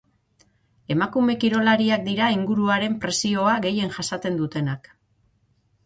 Emakume kirolariak dira inguruaren presioa gehien jasaten dutenak.